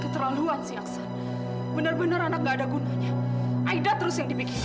keterlaluan sih aksan bener bener anak gak ada gunanya aida terus yang dibikinkan